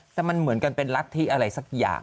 แต่มันเหมือนกันเป็นรัฐธิอะไรสักอย่าง